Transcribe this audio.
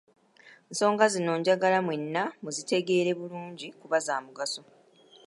nsonga zino njagala mwenna muzitegeere bulungi kuba za mugaso.